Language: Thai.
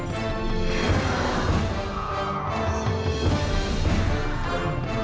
ที่มีอำนาจเป็นทางการ